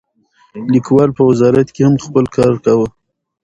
لیکوال په وزارت کې هم خپل کار کاوه.